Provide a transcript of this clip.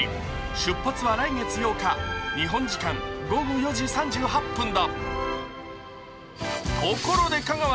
出発は来月８日、日本時間午後４時３８分だ。